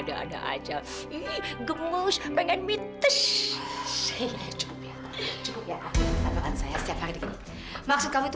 apa memang jatuh cinta selalu sakit